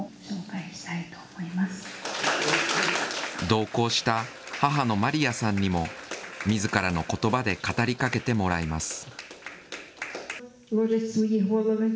同行した母のマリヤさんにも、みずからのことばで語りかけてもらいます。